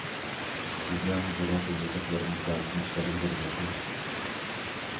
بىزنىڭ بۇرۇنقى يېزىقلىرىمىزدا تىنىش بەلگىلىرى يوق ئىدى.